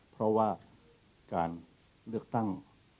เพราะว่าการเลือกตั้ง